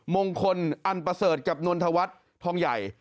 มงคลอันประเสริฐกับนนทวัฒน์ทองใหญ่